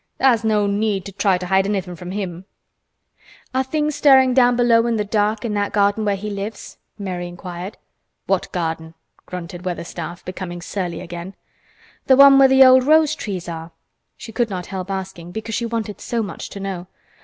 Tha's no need to try to hide anything from him." "Are things stirring down below in the dark in that garden where he lives?" Mary inquired. "What garden?" grunted Weatherstaff, becoming surly again. "The one where the old rose trees are." She could not help asking, because she wanted so much to know.